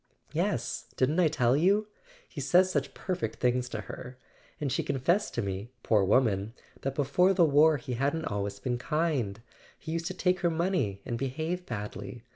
"Yes: didn't I tell you? He says such perfect things to her. And she confessed to me, poor woman, that before the war he hadn't always been kind: he used to take her money, and behave badly.